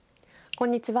こんにちは。